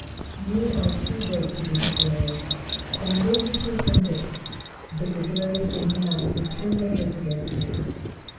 You are too great to be gregarious ; and were you to attempt it, the gregarious in a mass would turn their heads against you.